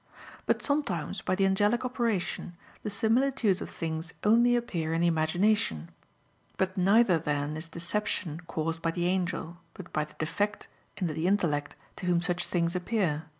But sometimes by the angelic operation the similitudes of things only appear in the imagination; but neither then is deception caused by the angel, but by the defect in the intellect to whom such things appear.